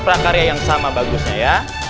prakarya yang sama bagusnya ya